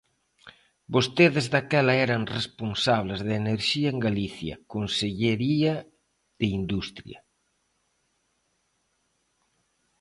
Vostedes daquela eran responsables da enerxía en Galicia, Consellería de Industria.